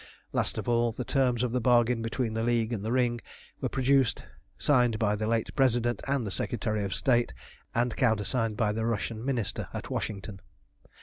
Last of all, the terms of the bargain between the League and the Ring were produced, signed by the late President and the Secretary of State, and countersigned by the Russian Minister at Washington.